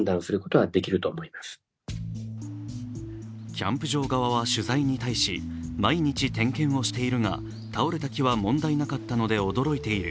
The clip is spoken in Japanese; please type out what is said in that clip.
キャンプ場側は取材に対し毎日点検をしているが倒れた木は問題なかったので、驚いている。